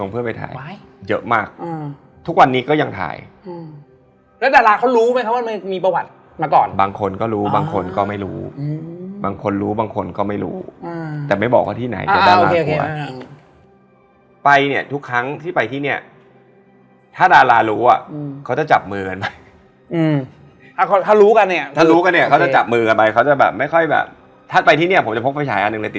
เราถึงตื่นปลุกเตี๊ยมก็ไม่ปลุกใครเหมือนกันปลุกเลยพี่โน๊ต